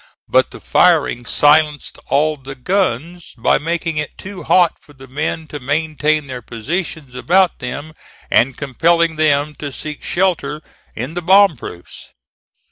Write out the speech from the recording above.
But the firing silenced all the guns by making it too hot for the men to maintain their positions about them and compelling them to seek shelter in the bomb proofs.